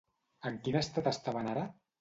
En quin estat estaven ara?